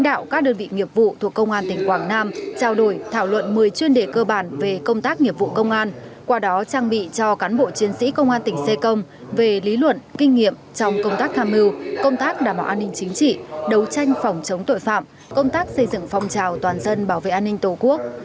các đơn vị nghiệp vụ thuộc công an tỉnh quảng nam trao đổi thảo luận một mươi chuyên đề cơ bản về công tác nghiệp vụ công an qua đó trang bị cho cán bộ chiến sĩ công an tỉnh xê công về lý luận kinh nghiệm trong công tác tham mưu công tác đảm bảo an ninh chính trị đấu tranh phòng chống tội phạm công tác xây dựng phong trào toàn dân bảo vệ an ninh tổ quốc